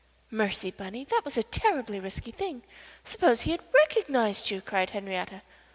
"Mercy, Bunny, that was a terribly risky thing. Suppose he had recognized you?" cried Henriette.